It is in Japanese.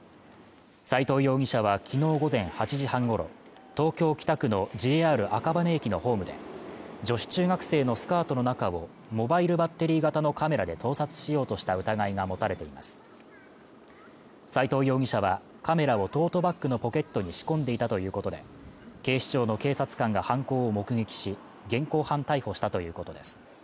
斎藤容疑者はきのう午前８時半ごろ東京・北区のＪＲ赤羽駅のホームで女子中学生のスカートの中をモバイルバッテリー型のカメラで盗撮しようとした疑いが持たれています斎藤容疑者はカメラをトートバッグのポケットに仕込んでいたということで警視庁の警察官が犯行を目撃し現行犯逮捕したということです